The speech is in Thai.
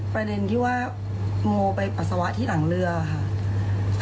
ประเด็นที่ว่าโมไปปัสสาวะที่หลังเรือค่ะ